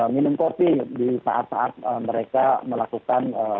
minum kopi di saat saat mereka melakukan